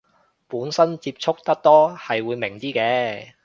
本身接觸得多係會明啲嘅